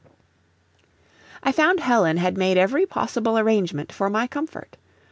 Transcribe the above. I found Helen had made every possible arrangement for my comfort.